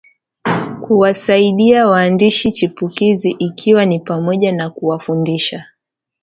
Kuwasaidia waandishi chipukizi ikiwa ni pamoja na kuwafundisha